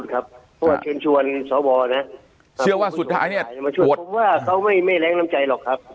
เพราะว่าเชิญชวนสวนะเชื่อว่าสุดท้ายเนี่ยผมว่าเขาไม่แรงน้ำใจหรอกครับ